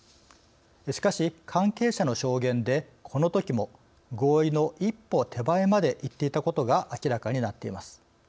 しかし関係者の証言でこのときも合意の一歩手前までいっていたことが明らかになっています。